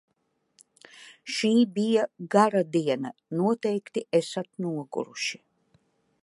Šī bija gara diena, noteikti esat noguruši!